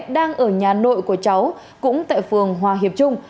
đang ở nhà nội của cháu cũng tại phường hòa hiệp trung